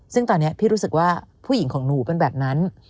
ซึ่งตอนนี้พี่รู้สึกว่าผู้หญิงของหนูเป็นแบบนั้น